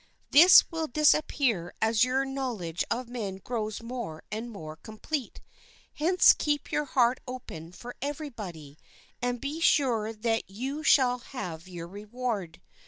This will disappear as your knowledge of men grows more and more complete. Hence keep your heart open for every body, and be sure that you shall have your reward.